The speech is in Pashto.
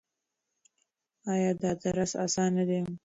ایا دا درس اسانه دی؟